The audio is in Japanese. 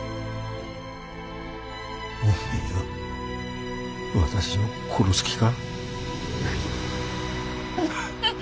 お前は私を殺す気か？